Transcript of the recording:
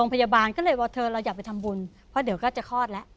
วันแม่